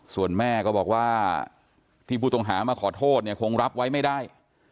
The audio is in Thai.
ส่วนแม่ก็บอกว่าที่ผู้ต้องหามาขอโทษเนี่ยคงรับไว้ไม่ได้